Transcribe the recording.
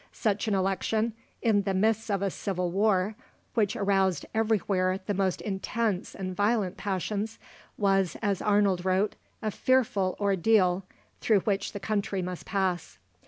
Such an election, in the midst of a civil war which aroused everywhere the most intense and violent passions, was, as Arnold wrote, a fearful ordeal through which the country must pass.